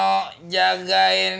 udin mau jagain nyak dirumah